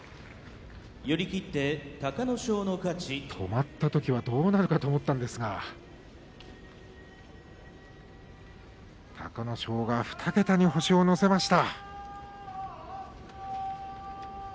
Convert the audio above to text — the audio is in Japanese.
止まったときはどうなるかと思ったんですが隆の勝が２桁に星を乗せました。